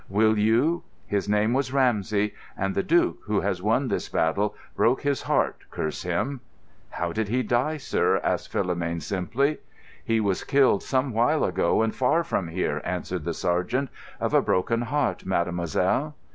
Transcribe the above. Will you? His name was Ramsey; and the Duke, who has won this battle, broke his heart, curse him!" "How did he die, sir?" asked Philomène simply. "He was killed some while ago and far from here," answered the sergeant. "Of a broken heart, Mademoiselle."